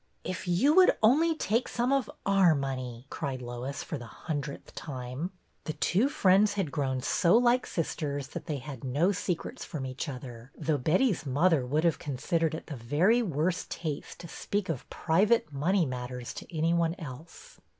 " If you would only take some of our money !" cried Lois, for the hundredth time. The two 212 BETTY BAIRD'S VENTURES friends had grown so like sisters that they had no secrets from each other, though Betty's mother would have considered it the very worst taste to speak of private money matters to any one else.